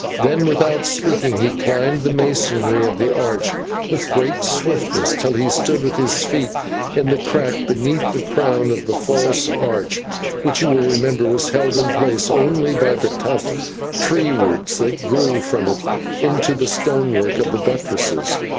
Then, without speaking, he climbed the masonry of the archway with great swiftness, till he stood with his feet in the crack beneath the crown of the arch, which you will remember was held in place only by the tough tree roots, that grew from it into the stonework of the buttresses.